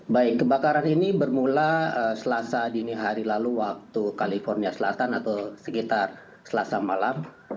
baik kebakaran ini bermula selasa dini hari lalu waktu california selatan atau sekitar selasa malam